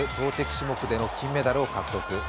種目での金メダルを獲得。